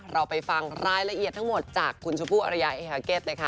เราไปฟังรายละเอียดทั้งหมดจากคุณชมพู่อรยาเอฮาเก็ตเลยค่ะ